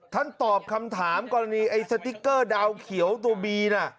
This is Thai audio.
ตอบคำถามกรณีไอ้สติ๊กเกอร์ดาวเขียวตัวบีน่ะ